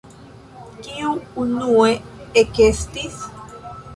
Kiu unue ekestis?